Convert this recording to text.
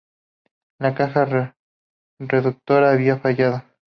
La caja reductora había fallado.